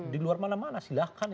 di luar mana mana silahkan